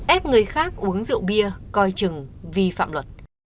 ép người khác uống rượu bia coi chừng vi phạm luật